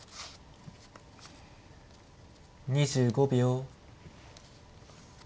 ２５秒。